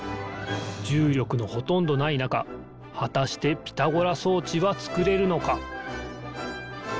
じゅうりょくのほとんどないなかはたしてピタゴラそうちはつくれるのか？